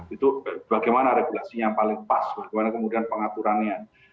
itu bagaimana regulasinya yang paling pas bagaimana kemudian pengaturannya